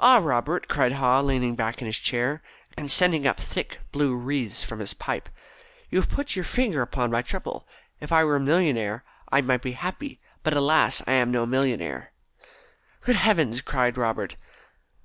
"Ah, Robert," cried Haw, leaning back in his chair, and sending up thick blue wreaths from his pipe. "You have put your finger upon my trouble. If I were a millionaire I might be happy, but, alas, I am no millionaire!" "Good heavens!" gasped Robert.